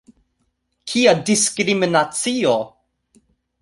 Kia diskriminacio